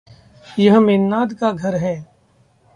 यह मेन्नाद का घर है।